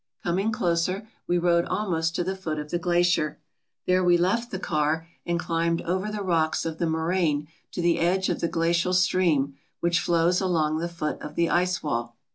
Coming closer, we rode almost to the foot of the glacier. There we left the car and climbed over the rocks of the moraine to the edge of the glacial stream which flows along the foot of the ice wall.